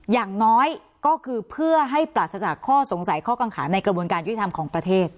อย่างน้อยก็คือเพื่อให้ปราศจากข้อสงสัยข้อกังขาในกระบวนการยุติธรรมของประเทศ